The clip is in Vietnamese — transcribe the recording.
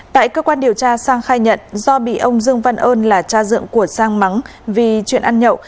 tại cơ quan điều tra sang khai nhận do bị ông dương văn ơn là cha dựng của sang mắng vì chuyện ăn nhậu